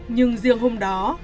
nhưng riêng hôm đó